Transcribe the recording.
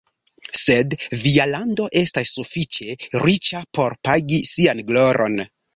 Sed via lando estas sufiĉe riĉa por pagi sian gloron.